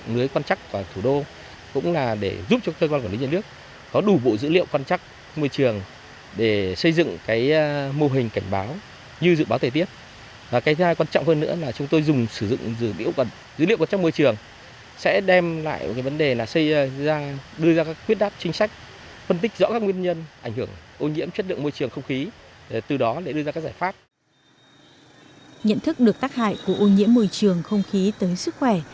nhận thức được tác hại của ô nhiễm môi trường không khí tới sức khỏe